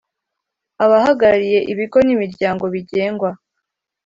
abahagarariye ibigo n imiryango bigengwa